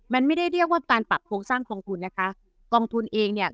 มันไม่ได้เรียกว่าการปรับโครงสร้างกองทุนนะคะกองทุนเองเนี่ย